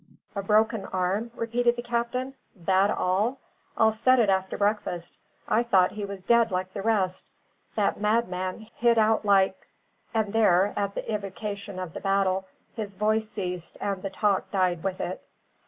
"A broken arm?" repeated the captain. "That all? I'll set it after breakfast. I thought he was dead like the rest. That madman hit out like " and there, at the evocation of the battle, his voice ceased and the talk died with it.